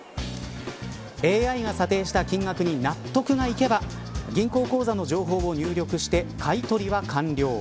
ＡＩが査定した金額に納得がいけば金庫口座の情報を入力して買い取りは完了。